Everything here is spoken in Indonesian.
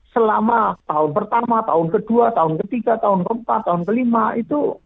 selama tahun pertama tahun kedua tahun ketiga tahun keempat tahun kelima itu